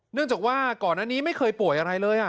เนื่องจากว่าก่อนอันนี้ไม่เคยป่วยอะไรเลย